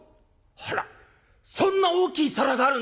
「あらそんな大きい皿があるんですか？」。